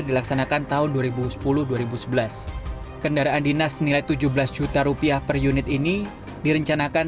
dilaksanakan tahun dua ribu sepuluh dua ribu sebelas kendaraan dinas senilai tujuh belas juta rupiah per unit ini direncanakan